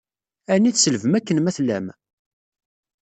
Ɛni tselbem akken ma tellam?